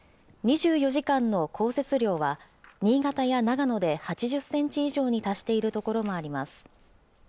２４時間の降雪量は、新潟や長野で８０センチ以上に達している所もあります。